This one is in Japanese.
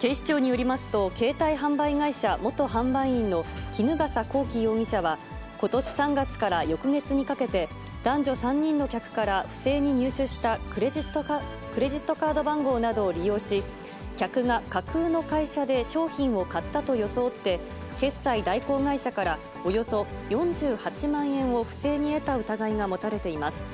警視庁によりますと、携帯販売会社、元販売員の衣笠孝紀容疑者は、ことし３月から翌月にかけて、男女３人の客から不正に入手したクレジットカード番号などを利用し、客が架空の会社で商品を買ったと装って、決済代行会社からおよそ４８万円を不正に得た疑いが持たれています。